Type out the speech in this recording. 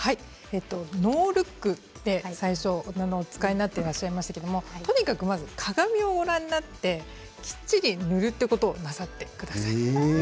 ノールックで最初お使いになっていましたけれどもとにかく鏡をご覧になってきっちり塗るということをなさってください。